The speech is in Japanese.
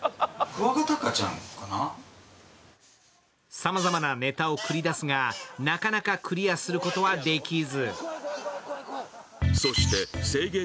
さまざまなネタを繰り出すがなかなかクリアすることはできず。